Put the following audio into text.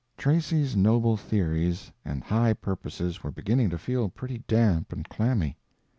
Tracy's noble theories and high purposes were beginning to feel pretty damp and clammy.